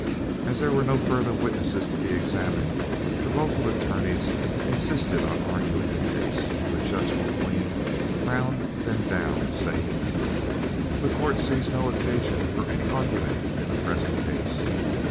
As there were no further witnesses to be examined, the local attorneys insisted on arguing the case, but Judge Mulqueen frowned them down, saying: "This court sees no occasion for any argument in the present case.